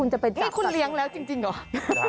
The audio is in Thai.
นี่คุณเลี้ยงแล้วจริงเหรอ